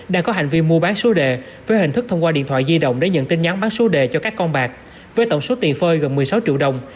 đang có hành vi mua bán số đề với hình thức thông qua điện thoại di động để nhận tin nhắn bán số đề cho các con bạc với tổng số tiền phơi gần một mươi sáu triệu đồng